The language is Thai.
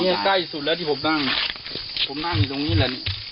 นี่ใกล้สุดแล้วที่ผมนั่งผมนั่งอยู่ตรงนี้แหละ